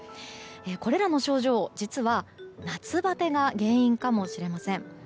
これらの症状、実は夏バテが原因かもしれません。